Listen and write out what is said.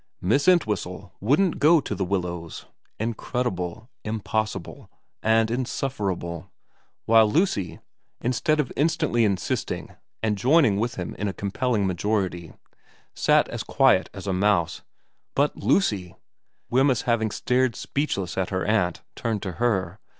Miss Entwhistle wouldn't go to The Willows in credible, impossible, and insufferable, while Lucy, instead of instantly insisting and joining with him in a compelling majority, sat as quiet as a mouse. ' But Lucy ' Wemyss having stared speechless at her aunt, turned to her.